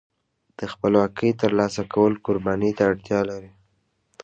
د خپلواکۍ ترلاسه کول قربانۍ ته اړتیا لري.